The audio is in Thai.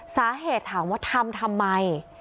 สาเหตุถามว่าทำทำไม